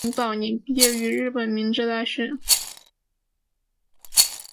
年德阿拉是巴西圣保罗州的一个市镇。